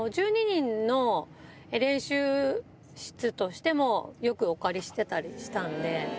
１２人の練習室としても、よくお借りしてたりしたんで。